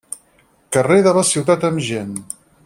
Carrer de la ciutat amb gent.